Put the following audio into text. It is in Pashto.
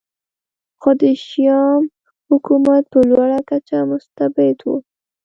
خو د شیام حکومت په لوړه کچه مستبد و